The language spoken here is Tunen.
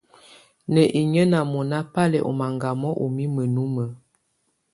Ná inyǝ́ ná mɔ́ná bá lɛ́ ɔ́ maŋgámɔ ú mimǝ́ numǝ́.